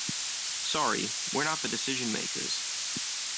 Sorry we're not the decision makers.